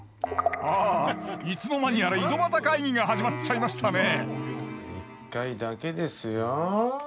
あいつの間にやら井戸端会議が始まっちゃいましたね一回だけですよ。